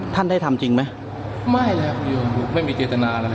ท่านได้ทำจริงไหมไม่แล้วคุณโยมไม่มีเจตนาอะไร